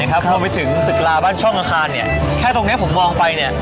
พอไปถึงตึกลาบ้านช่องอาคารแค่ตรงนี้ผมมองไป